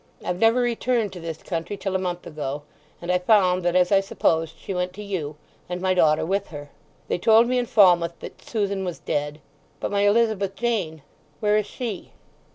I've never returned to this country till a month ago, and I found that, as I supposed, she went to you, and my daughter with her. They told me in Falmouth that Susan was dead. But my Elizabeth Jane—where is she?"